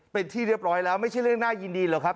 เป็นที่เรียบร้อยแล้วไม่ใช่เรื่องน่ายินดีหรอกครับ